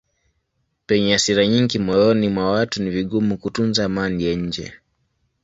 Penye hasira nyingi moyoni mwa watu ni vigumu kutunza amani ya nje.